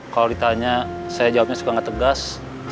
kalau ditanya saya jawabnya suka nggak tegas